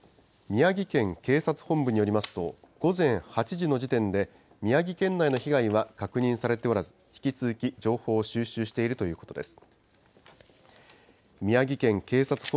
宮城県警察本部によりますと、午前８時の時点で、宮城県内の被害は確認されておらず、引き続き情報を収集しているということです。